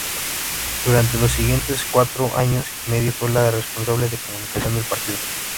Durante los siguientes cuatro años y medio fue la responsable de Comunicación del partido.